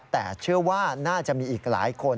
แต่เชื่อว่าน่าจะมีอีกหลายคน